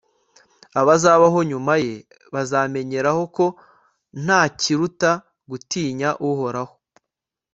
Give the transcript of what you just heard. abazabaho nyuma ye, bazamenyeraho ko nta kiruta gutinya uhoraho